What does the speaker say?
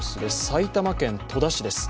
埼玉県戸田市です